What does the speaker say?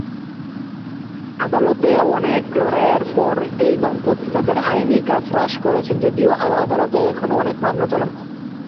আদালতে অনেক লড়াইয়ের পরে এই দম্পতি তাঁদের আইনি কাজ হ্রাস করছেন, যদিও আদালতে এখনও অনেক মামলা চলমান রয়েছে।